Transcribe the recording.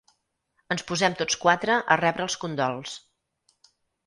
Ens posem tots quatre a rebre els condols.